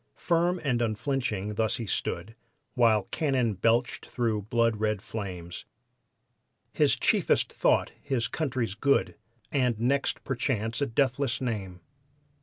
Firm and unflinching thus he stood, While cannon belched through blood red flames; His chiefest thought his country's good, And next perchance a deathless name.